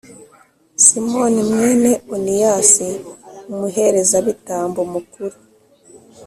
Simoni, mwene Oniyasi, umuherezabitambo mukuru,